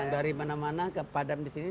dari mana mana ke padam di sini